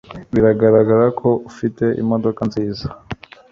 Bigaragara ko ufite imodoka nziza